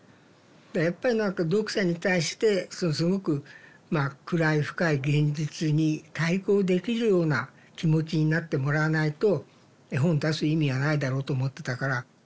だからやっぱり何か読者に対してすごく暗い深い現実に対抗できるような気持ちになってもらわないと絵本出す意味はないだろうと思ってたから。